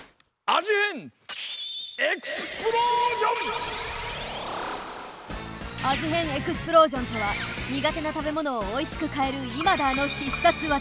「味変エクスプロージョン」とは苦手な食べものをおいしく変えるイマダーの必殺技！